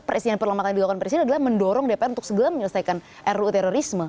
presiden yang perlu dilakukan adalah mendorong dpr untuk segera menyelesaikan ruu terorisme